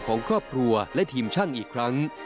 ของครอบครัวและทีมช่างอีกครั้ง